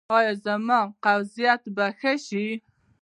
ایا زما قبضیت به ښه شي؟